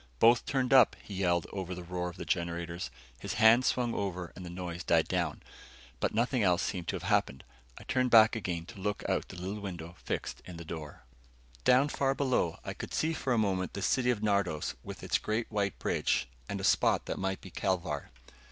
"Both turned up," he yelled over the roar of the generators. His hands swung over and the noise died down, but nothing else seemed to have happened. I turned back again to look out the little window fixed in the door. Down far below, I could see for a moment the city of Nardos with its great white bridge, and a spot that might be Kelvar.